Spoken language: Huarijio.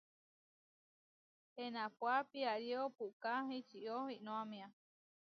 Enápua piarío puʼká ičió iʼnómia.